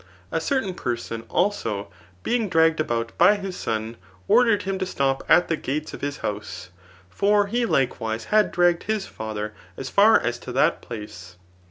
A certain person, also, being dragged about by his son, ordered him to stop at the gates of his house ; ior he likewise had dragged his father as far as to that place.